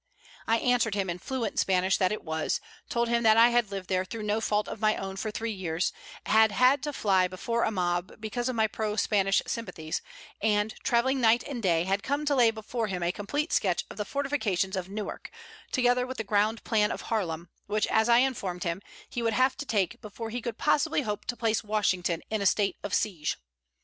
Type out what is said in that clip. I answered him in fluent Spanish that it was, told him that I had lived there through no fault of my own for three years, had had to fly before a mob because of my pro Spanish sympathies, and, travelling night and day, had come to lay before him a complete sketch of the fortifications of Newark, together with the ground plan of Harlem, which, as I informed him, he would have to take before he could possibly hope to place Washington in a state of siege.